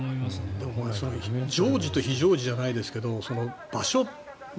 でも常時と非常時じゃないですけど場所